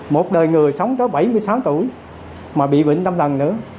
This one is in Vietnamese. một đời người sống có bảy mươi sáu tuổi mà bị bệnh tâm thần nữa